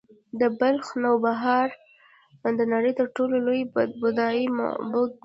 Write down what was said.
د بلخ د نوبهار ویهار د نړۍ تر ټولو لوی بودایي معبد و